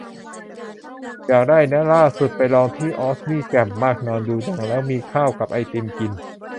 อยากได้ นะ ล่าสุดไปลองที่ออสนี่แจ่มมาก นอนดูหนังแล้วมีข้าวกับไอติมกิน